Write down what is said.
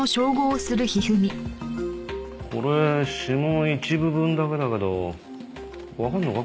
これ指紋一部分だけだけどわかるのか？